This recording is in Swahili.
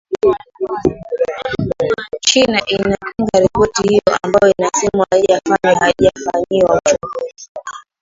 china inapinga ripoti hiyo ambayo inasema haijafanywa haijafanyiwa uchunguzi